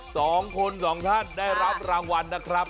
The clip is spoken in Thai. สองคนสองท่านได้รับรางวัลนะครับ